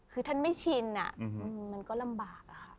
คือท่านไม่ชินมันก็ลำบากอะค่ะ